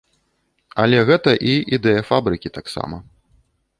Але гэта і ідэя фабрыкі таксама.